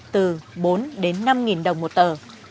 từ bốn đến năm nghìn đồng một tờ